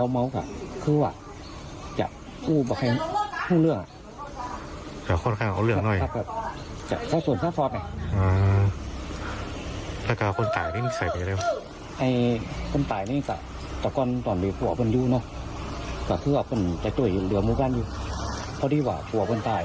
แม่มันน้ำเปลี่ยนนิสัยจริงค่ะ